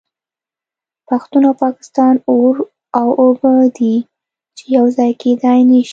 پښتون او پاکستان اور او اوبه دي چې یو ځای کیدای نشي